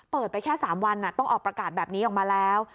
ไปแค่๓วันต้องออกประกาศแบบนี้ออกมาแล้ว